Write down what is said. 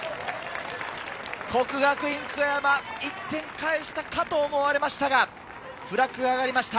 國學院久我山、１点返したかと思われましたがフラッグが上がりました。